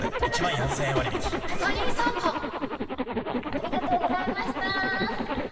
ありがとうございましたー